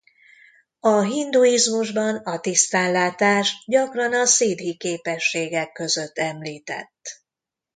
A hinduizmusban a tisztánlátás gyakran a sziddhi képességek között említett.